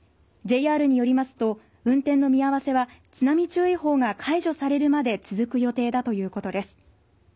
ＪＲによりますと運転の見合わせは津波注意報が解除されるまで続く予定だということです。